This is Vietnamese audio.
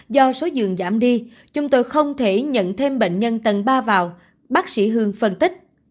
do số giường giảm đi chúng tôi không thể nhận thêm bệnh nhân tầng ba vào bác sĩ hương phân tích